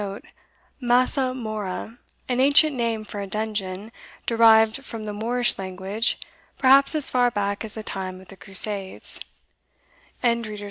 * Massa mora, an ancient name for a dungeon, derived from the Moorish language, perhaps as far back as the time of the Crusades.